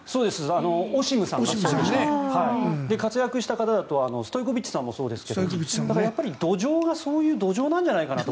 オシムさんがそうでしたね。活躍した方だとストイコビッチさんもそうですが土壌がそういう土壌なんじゃないかと。